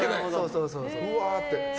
うわーって。